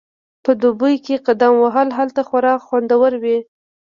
په دوبي کې قدم وهل هلته خورا خوندور وي